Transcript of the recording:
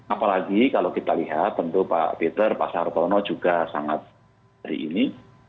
apalagi kalau kita lihat tentu pak peter pak sartono juga sangat hari ini